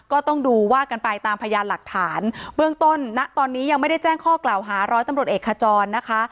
ก็ต้องดูว่ากันไปตามพยานหลักฐานเบื้องต้นณตอนนี้ยังไม่ได้แจ้งข้อกล่าวหาร้อยตำรวจเอกขจรนะคะ